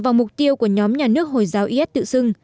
vào mục tiêu của nhóm nhà nước hồi giáo is tự xưng